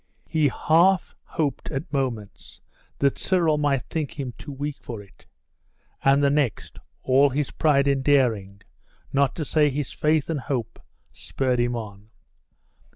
He half hoped at moments that Cyril might think him too weak for it; and the next, all his pride and daring, not to say his faith and hope, spurred him on.